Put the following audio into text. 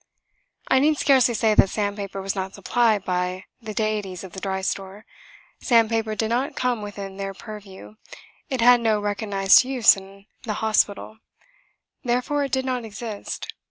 I need scarcely say that sandpaper was not supplied by the deities of the Dry Store. Sandpaper did not come within their purview. It had no recognised use in hospital. Therefore it did not exist.